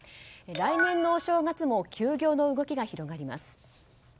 来年のお正月も休業の動きが広がります。